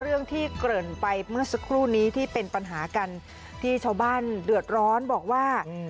เรื่องที่เกริ่นไปเมื่อสักครู่นี้ที่เป็นปัญหากันที่ชาวบ้านเดือดร้อนบอกว่า